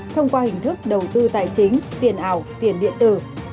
thông qua hình thức đầu tư tài chính tiền ảo tiền điện tử